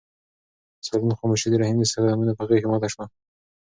د صالون خاموشي د رحیم د قدمونو په غږ ماته شوه.